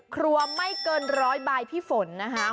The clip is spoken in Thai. ครัวไม่เกิน๑๐๐บาทพี่ฝนนะครับ